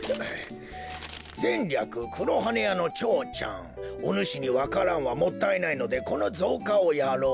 「ぜんりゃく黒羽屋の蝶ちゃん。おぬしにわか蘭はもったいないのでこのぞうかをやろう。